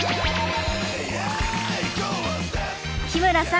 日村さん